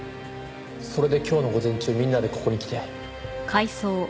それで今日の午前中みんなでここに来て。